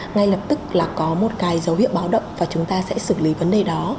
ngay lập tức là có một cái dấu hiệu báo động và chúng ta sẽ xử lý vấn đề đó